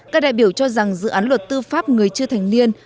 các đại biểu cho rằng dự án luật tư pháp người chưa thành niên